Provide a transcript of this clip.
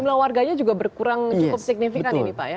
jumlah warganya juga berkurang cukup signifikan ini pak ya